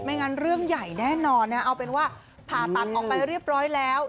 งั้นเรื่องใหญ่แน่นอนนะเอาเป็นว่าผ่าตัดออกไปเรียบร้อยแล้ว